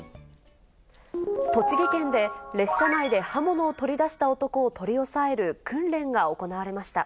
栃木県で、列車内で刃物を取り出した男を取り押さえる訓練が行われました。